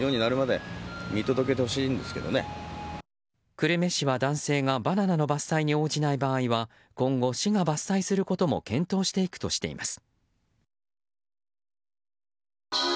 久留米市は男性がバナナの伐採に応じない場合は今後、市が伐採することも検討していくとしています。